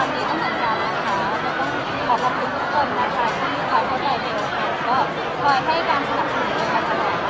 แล้วก็ความดีต้องการนะคะแล้วก็ขอบคุณทุกคนนะคะ